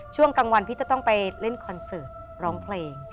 ช่วงกลางวันพี่จะต้องไปเล่นคอนเสิร์ตร้องเพลง